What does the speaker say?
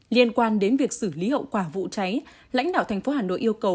liên quan đến việc xử lý hậu quả vụ cháy lãnh đạo thành phố hà nội yêu cầu